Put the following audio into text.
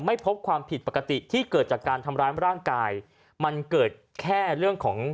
พบความผิดปกติที่เกิดจากการทำร้ายร่างกายมันเกิดแค่เรื่องของ